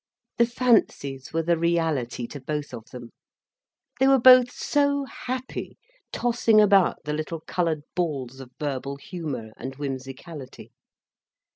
The fancies were the reality to both of them, they were both so happy, tossing about the little coloured balls of verbal humour and whimsicality.